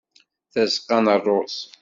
Tazeqqa n rruz.